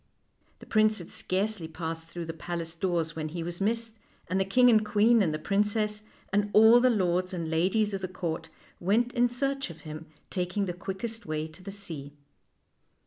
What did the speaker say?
The prince had scarcely passed through the palace doors when he was missed, and the king and queen and the princess, and all the lords and ladies of the court, went in search of him, taking the quickest way to the sea.